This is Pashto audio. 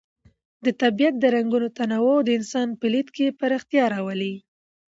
د طبیعت د رنګونو تنوع د انسان په لید کې پراختیا راولي.